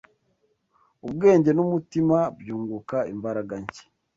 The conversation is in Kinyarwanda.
Ubwenge n’umutima byunguka imbaraga nshya